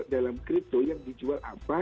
kalau dalam crypto yang dijual apa